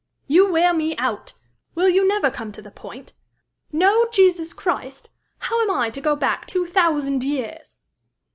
"You wear me out! Will you never come to the point? Know Jesus Christ! How am I to go back two thousand years?"